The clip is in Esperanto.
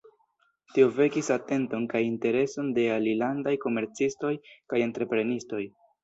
Tio vekis atenton kaj intereson de alilandaj komercistoj kaj entreprenistoj.